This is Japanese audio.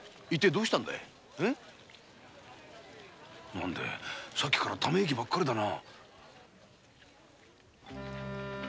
何だいさっきからため息ばっかりだな。